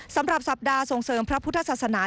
สำหรับสัปดาห์ส่งเสริมพระพุทธศาสนา